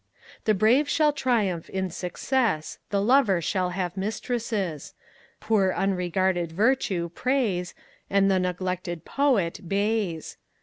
The brave shall triumph in success, The lover shall have mistresses, Poor unregarded Virtue, praise, And the neglected Poet, bays.